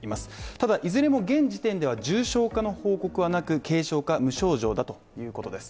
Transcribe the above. ただ、いずれも現時点では重症化の報告はなく軽症か無症状だということです。